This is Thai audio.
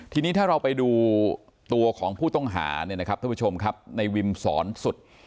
ทีนี้ถ้าเราไปดูตัวของผู้ต้องหาเนี่ยนะครับท่านผู้ชมครับในวิมสอนสุด